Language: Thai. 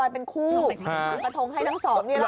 ประทงให้ทั้งสอง